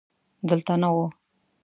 دلته نه و.